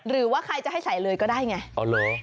หรือว่าใครจะให้ใส่เลยก็ได้ไงอ๋อเหรอ